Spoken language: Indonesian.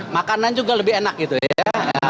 makanan juga lebih enak gitu ya